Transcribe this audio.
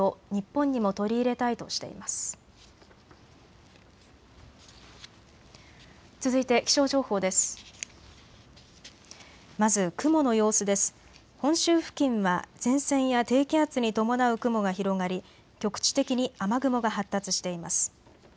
本州付近は前線や低気圧に伴う雲が広がり局地的に雨雲が発達しています。